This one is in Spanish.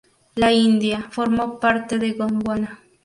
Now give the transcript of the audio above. La India formó parte de Gondwana.